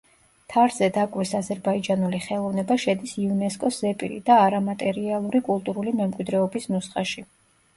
თარზე დაკვრის აზერბაიჯანული ხელოვნება შედის იუნესკოს ზეპირი და არამატერიალური კულტურული მემკვიდრეობის ნუსხაში.